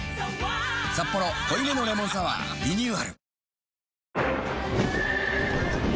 「サッポロ濃いめのレモンサワー」リニューアル